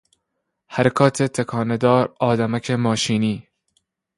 حرکات تکانه دار آدمک ماشینی